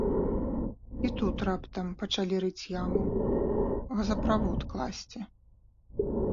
І тут раптам пачалі рыць яму, газаправод класці.